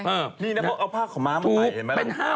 นี่เนี่ยเอาผ้าของม้ามาไหนเห็นไหม